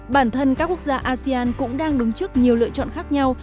bản thân các quốc gia asean cũng đang đứng trước nhiều lựa chọn khác nhau